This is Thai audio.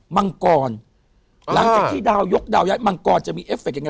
มังกรหลังจากที่ดาวยกดาวย้ายมังกรจะมีเอฟเคยังไง